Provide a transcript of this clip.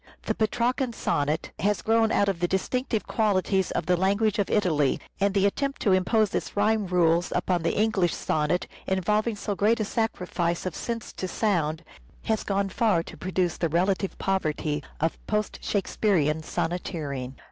The Petrarcan sonnet has grown out of the distinctive qualities of the language of Italy, and the attempt to impose its rhyme rules upon the English sonnet, involving so great a sacrifice of sense to sound, has gone far to produce the relative poverty of post Shakespearean sonneteering.